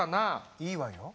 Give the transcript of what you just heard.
いいわよ。